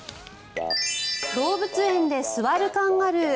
動物園で座るカンガルー。